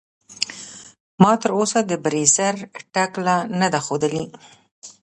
ما تر اوسه د بریځر ټکله نده خودلي.